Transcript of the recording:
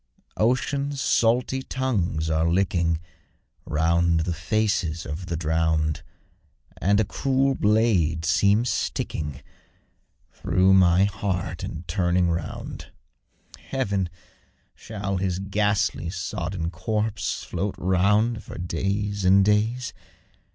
..... Ocean's salty tongues are licking Round the faces of the drowned, And a cruel blade seems sticking Through my heart and turning round. Heaven! shall HIS ghastly, sodden Corpse float round for days and days?